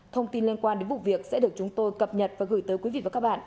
thông tin liên quan đến vụ việc sẽ được chúng tôi cập nhật và gửi tới quý vị và các bạn